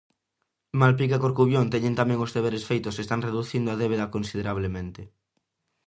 Malpica e Corcubión teñen tamén os deberes feitos e están reducindo a débeda considerablemente.